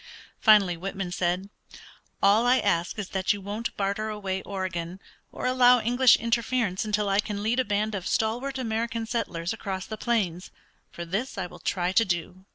Finally Whitman said, "All I ask is that you won't barter away Oregon, or allow English interference until I can lead a band of stalwart American settlers across the plains: for this I will try to do."